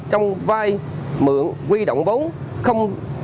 trong vai mượn quy động vốn